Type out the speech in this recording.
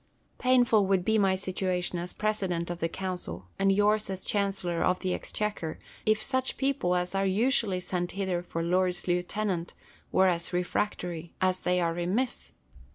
Painful would be my situation as president of the council, and yours as chancellor of the exchequer, if such people as are usually sent hither for lords lieutenant were as refractory as they are remiss.